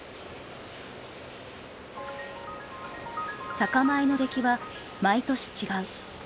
酒米の出来は毎年違う。